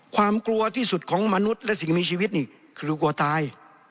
ความกลัวที่สุดของมนุษย์และสิ่งมีชีวิตนี่คือกลัวตาย